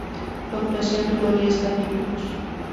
Su actuación duró diez capítulos.